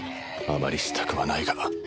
あまりしたくはないが